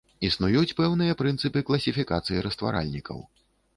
Існуюць пэўныя прынцыпы класіфікацыі растваральнікаў.